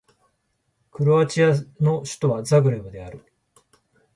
クロアチアの首都はザグレブである